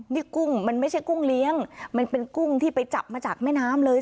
นี่กุ้งมันไม่ใช่กุ้งเลี้ยงมันเป็นกุ้งที่ไปจับมาจากแม่น้ำเลย